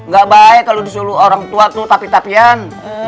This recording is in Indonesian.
gak baik kalau disuruh orang tua tuh tapi tapian